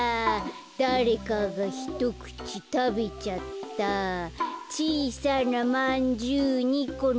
「だれかがひとくちたべちゃった」「ちいさなまんじゅう２このせて」